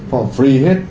họ free hết